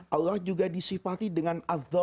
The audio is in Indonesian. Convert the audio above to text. allah juga disifati dengan